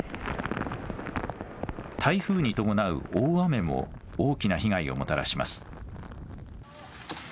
台風に伴う大雨も大きな被害をもたらします。